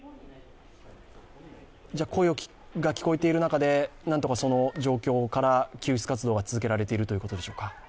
声が聞こえている中で、なんとかその状況から救出活動が続けられているということでしょうか。